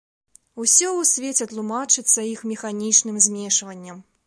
Усё ў свеце тлумачыцца іх механічным змешваннем.